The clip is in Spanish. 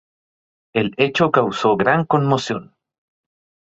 El hecho causó gran conmoción.